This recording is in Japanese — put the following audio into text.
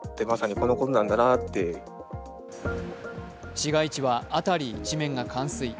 市街地は辺り一面が冠水。